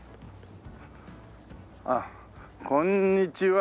あっこんにちは。